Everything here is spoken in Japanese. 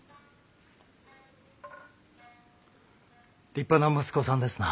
立派な息子さんですな。